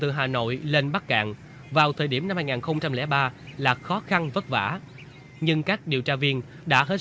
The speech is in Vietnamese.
từ hà nội lên bắc cạn vào thời điểm năm hai nghìn ba là khó khăn vất vả nhưng các điều tra viên đã hết